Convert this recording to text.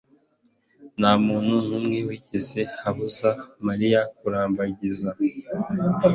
Ntamuntu numwe wigeze abaza Mariya kurambagiza.